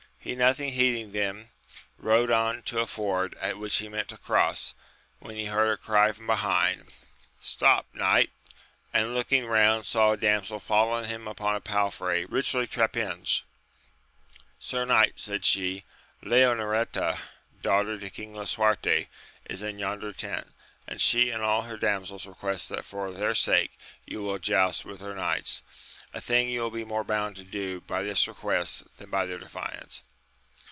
He nothing heeding them, rode on to a ford, at which he meant to cross, when he heard a cry from behind. Stop, knight ! and looking round, saw a damsel following him upon a palfrey richly trap pinged. Sir knight, said she, Leonoreta, daughter to King Lisuarte, is in yonder tent, and she and all her damsels request that for their sake you will joust with her knights, a thing you will be more bound to do by this request than by their defiance.